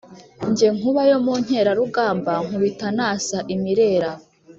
Jye nkuba yo mu nkerarugamba nkubita nasa imirera